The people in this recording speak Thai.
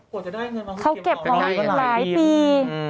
กว่าจะได้เงินมาเข้าเก็บออกอีกหลายปี